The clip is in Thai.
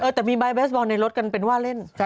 แต่มีใบเบสบอลในรถกันเป็นว่าเล่น